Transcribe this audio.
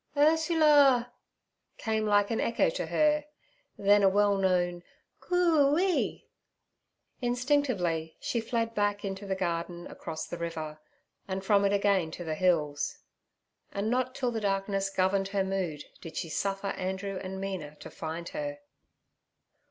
'Ursula' came like an echo to her, then a well known 'Coo ee.' Instinctively, she fled back into the garden across the river, and from it again to the hills. And not till the darkness governed her mood did she suffer Andrew and Mina to find her.